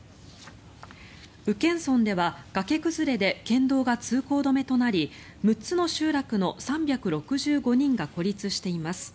宇検村では崖崩れで県道が通行止めとなり６つの集落の３６５人が孤立しています。